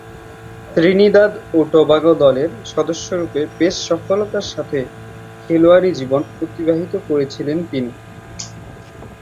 Trinidad ও Tobago দলের সদস্যরূপে বেশ সফলতার সাথে খেলোয়াড়ী জীবন অতিবাহিত করেছিলেন তিনি।